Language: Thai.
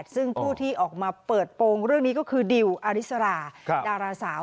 ซึ่งผู้ที่ออกมาเปิดโปรงเรื่องนี้ก็คือดิวอาริสราดาราสาว